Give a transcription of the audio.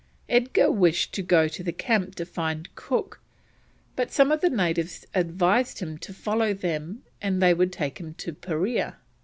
Edgar wished to go to the camp to find Cook, but some of the natives advised him to follow them and they would take him to Parea.